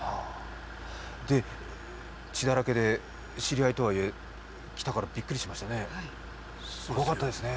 で、血だらけで、知り合いとはいえ、来たからびっくりしたですね。